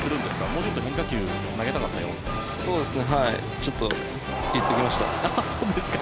もうちょっと変化球投げたかったよとか。